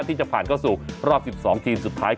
ที่จะผ่านเข้าสู่รอบ๑๒ทีมสุดท้าย